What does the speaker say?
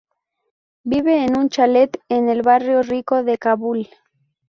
Vive en un chalet en el barrio rico de Kabul.